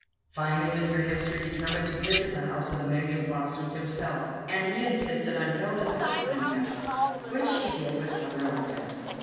Finally Mr. Hemster determined to visit the House of the Million Blossoms himself, and he insisted on Hilda's accompanying us, which she did with some reluctance.